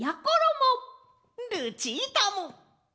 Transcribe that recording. ルチータも！